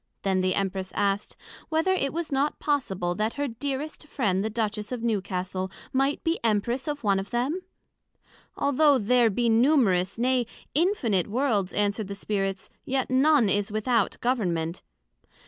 Then the Empress asked, Whether it was not possible that her dearest friend the Duchess of Newcastle, might be Empress of one of them? Although there be numerous, nay, infinite Worlds, answered the Spirits, yet none is without Government.